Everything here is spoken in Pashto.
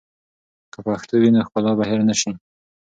که پښتو وي، نو ښکلا به هېر نه سي.